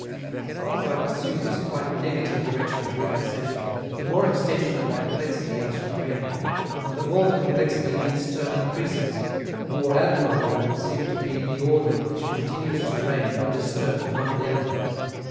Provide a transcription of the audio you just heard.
The farther I pursue this quite negative direction of relaxation, the more extension and complexity I shall create; and the more the complexity in its turn increases, the more admirable will seem to be the order which continues to reign, undisturbed, among the elements.